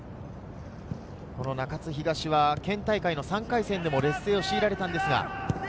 中津東は県大会の３回戦でも、劣勢を強いられたんですが。